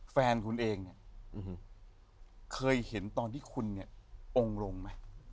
แฟนคุณเองเนี่ยเคยเห็นตอนที่คุณเนี่ยองค์ลงไหม